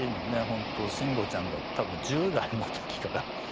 本当慎吾ちゃんが多分１０代の時から。